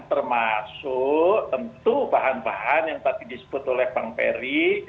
termasuk tentu bahan bahan yang tadi disebut oleh bang ferry